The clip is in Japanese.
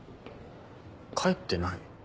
帰ってない？